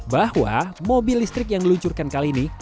bahwa mobil listrik yang diluncurkan kali ini